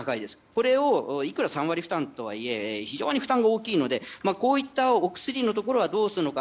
これをいくら３割負担とはいえものすごく大きいのでこういったお薬の部分はどうするのか。